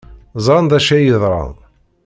Ẓran d acu ay yeḍran.